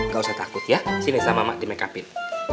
gak usah takut ya sini sama mak di makeup in